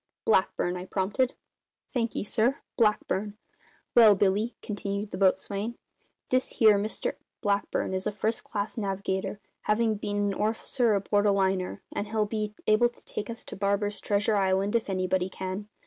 "Blackburn," I prompted. "Thank 'e, sir. Blackburn. Well, Billy," continued the boatswain, "this here Mr Blackburn is a first class navigator, havin' been an orficer aboard a liner, and he'll be able to take us to Barber's treasure island, if anybody can.